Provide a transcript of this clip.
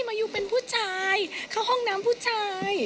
มายูเป็นผู้ชายเข้าห้องน้ำผู้ชาย